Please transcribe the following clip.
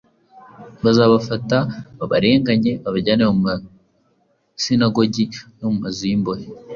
Bazabafata, babarenganye, babajyane mu masinagogi no mu mazu y’imbohe